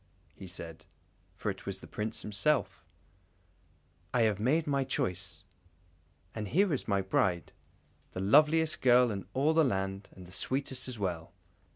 he said, for it was the Prince himself, "I have made my choice, and here is my bride, the loveliest girl in all the land, and the sweetest as well!"